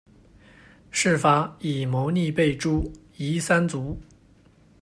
事发，以谋逆被诛，夷三族。